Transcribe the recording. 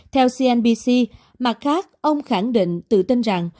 theo cnbc mặt khác ông khẳng định tự tin rằng